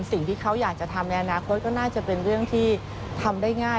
สิ่งที่เขาอยากจะทำในอนาคตก็น่าจะเป็นเรื่องที่ทำได้ง่าย